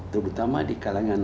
terutama di kalangan